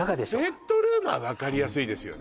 ベッドルームは分かりやすいですよね